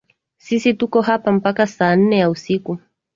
Sisi tuko hapa mpaka saa nane ya usiku